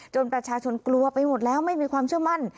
ประชาชนกลัวไปหมดแล้วไม่มีความเชื่อมั่น